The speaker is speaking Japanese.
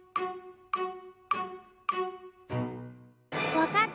わかった！